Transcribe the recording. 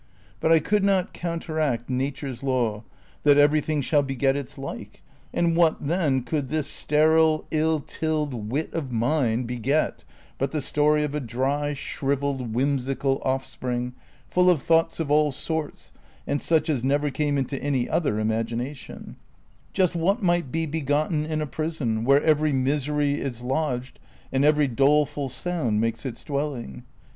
But I could not counteract Nature's law that everything shall beget its like ; and what, then, could this sterile, ill tilled wit of mine beget but the story of a dry, shrivelled, wliimsical offspring, full of thoughts of all sorts and such as never came into any other imagination — just what might be begotten in a prison, where every misery is lodged and every doleful sound makes its dwelling